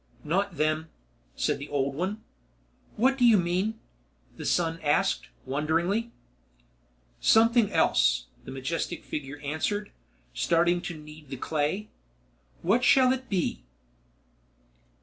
"Not them," said the old one. "What do you mean?" the son asked, wonderingly. "Something else," the majestic figure answered, starting to knead the clay. "What shall it be?"